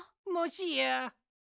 もしや。